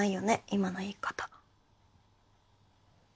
今の言い方。